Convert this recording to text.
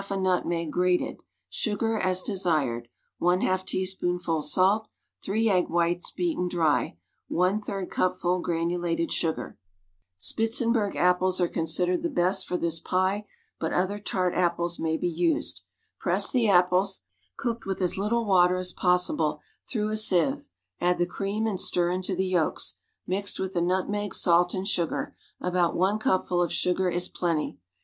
3 egg yolks, well beaten 3 egg whites, beaten dry ^2 a nutmeg, grated J3 cupful granulated sugar Spitzenberg apples are considered the best for this pie, but other tart apples may be used. Press the apples, cooked with as little Avatcr as possible, through a sieve; add the cream and stir into the yolks, mixed with the nutmeg, salt and sugar; about one cupful of sugar is plenty.